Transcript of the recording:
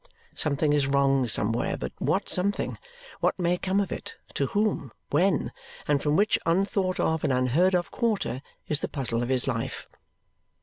Something is wrong somewhere, but what something, what may come of it, to whom, when, and from which unthought of and unheard of quarter is the puzzle of his life.